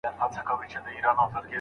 د غوایانو به ور څیري کړي نسونه»